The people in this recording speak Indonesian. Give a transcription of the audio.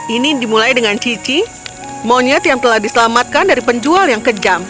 ini dimulai dengan cici monyet yang telah diselamatkan dari penjual yang kejam